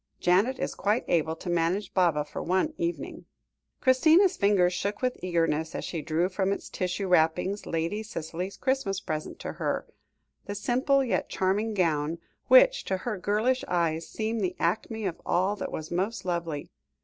Janet is quite able to manage Baba for one evening." Christina's fingers shook with eagerness, as she drew from its tissue wrappings Lady Cicely's Christmas present to her the simple, yet charming gown, which to her girlish eyes seemed the acme of all that was most lovely.